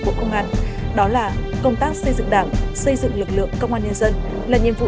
bộ công an đó là công tác xây dựng đảng xây dựng lực lượng công an nhân dân là nhiệm vụ